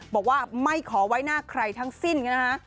บอกว่าไม่ขอไว้หน้าใครทั้งสิ้นนะฮะ